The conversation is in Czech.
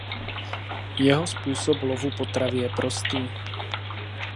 Jeho způsob lovu potravy je prostý.